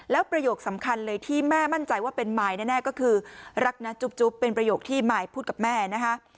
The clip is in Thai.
แล้วประโยคสำคัญเลยที่แม่มั่นใจว่าเป็นมายแน่ก็คือรักนะจุ๊บเป็นประโยคที่มายพูดกับแม่นะคะ